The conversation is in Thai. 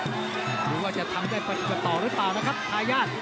ดูว่าจะทำได้ต่อหรือเปล่านะครับทายาท